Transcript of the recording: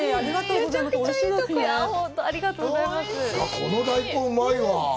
この大根、うまいわ！